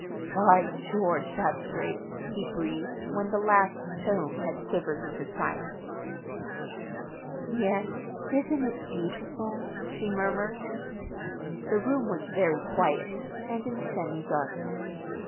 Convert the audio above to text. "By George, that's great!" he breathed, when the last tone had quivered into silence. "Yes, isn't it beautiful?" she murmured. The room was very quiet, and in semi darkness.